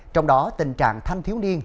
trong đó tình trạng thanh thiếu niên